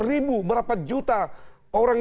ribu berapa juta orang